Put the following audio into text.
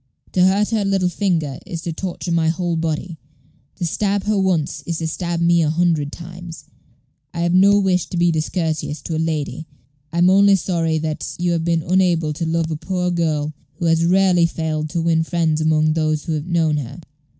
To hurt her little finger is to torture my whole body. To stab her once is to stab me a hundred times. I have no wish to be discourteous to a lady; I am only sorry that you have been unable to love a poor girl who has rarely failed to win friends among those who have known her.